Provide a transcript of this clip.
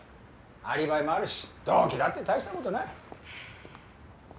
アリバイもあるし動機だって大した事ない。